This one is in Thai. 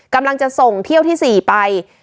กำลังจะส่งเที่ยวที่๔ไป